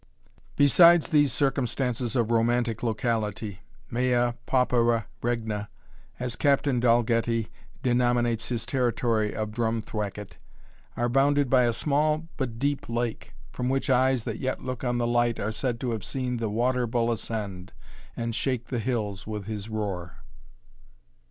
Besides these circumstances of romantic locality, mea paupera regna (as Captain Dalgetty denominates his territory of Drumthwacket) are bounded by a small but deep lake, from which eyes that yet look on the light are said to have seen the waterbull ascend, and shake the hills with his roar.